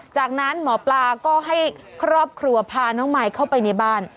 จากนั้นหมอปลาก็ให้ครอบครัวพาน้องมายเข้าไปในบ้าน